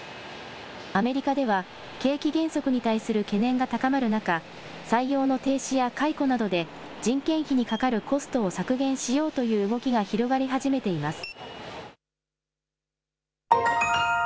アメリカでは景気減速に対する懸念が高まる中、採用の停止や解雇などで、人件費にかかるコストを削減しようという動きが広がり始めています。